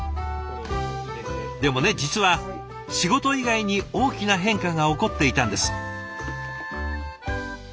でもね実は仕事以外に大きな変化が起こっていたんです。